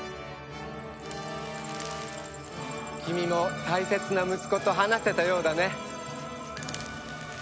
君も大切な息子と話せたようだね。